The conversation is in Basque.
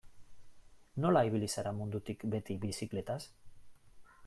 Nola ibili zara mundutik beti bizikletaz?